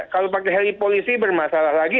kalau pakai heli polisi bermasalah lagi